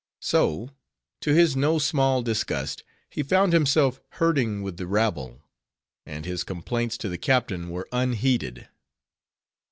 So to his no small disgust, he found himself herding with the rabble; and his complaints to the captain were unheeded.